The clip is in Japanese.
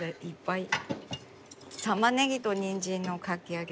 たまねぎとにんじんのかき揚げ。